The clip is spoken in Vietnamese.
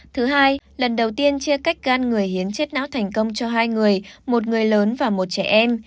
thứ hai lần đầu tiên chia cách gan người hiến chết não thành công cho hai người một người lớn và một trẻ em